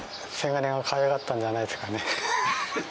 せがれがかわいかったんじゃないですかね。